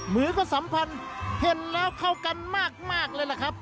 มือก็สัมพันธ์เห็นแล้วเข้ากันมากเลยล่ะครับ